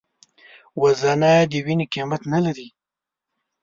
وژنه د وینې قیمت نه لري